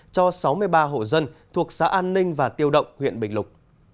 cho sáu mươi ba hộ dân thuộc xã an ninh và tiêu động huyện bình lục